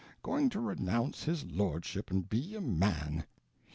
Going to renounce his lordship and be a man!